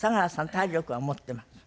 体力は持ってます？